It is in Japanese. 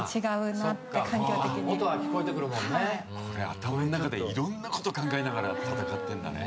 頭の中でいろんなこと考えながら戦ってんだね。